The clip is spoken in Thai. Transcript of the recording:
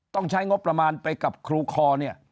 ต้องใช้งบประมาณไปกับครูคอเนี่ย